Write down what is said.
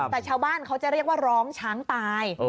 แต่ชาวบ้านเขาจะเรียกว่าร้องช้างตาย